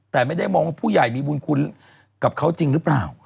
แต่ไม่ได้มองว่าผู้ใหญ่มีบุญคุณกับเขาจริงหรือเปล่า